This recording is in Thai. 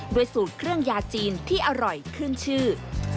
สูตรเครื่องยาจีนที่อร่อยขึ้นชื่อ